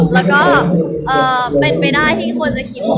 แล้วก็เป็นไปได้ที่คนจะคิด